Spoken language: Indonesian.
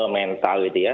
soal mental itu ya